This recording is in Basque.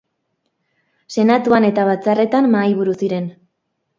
Senatuan eta batzarretan mahaiburu ziren.